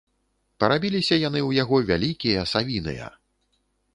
Парабіліся яны ў яго вялікія, савіныя.